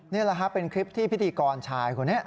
นี่แหละครับเป็นคลิปที่พิธีกรชายคนนี้